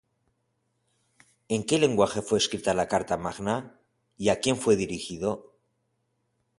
¿En qué lenguaje fue escrita la Carta Magna, y a quién fue dirigido?